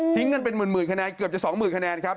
ทิ้งกันเป็นหมื่นหมื่นคะแนนเกือบจะสองหมื่นคะแนนครับ